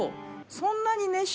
そんなに。